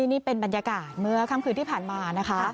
นี่เป็นบรรยากาศเมื่อค่ำคืนที่ผ่านมานะคะ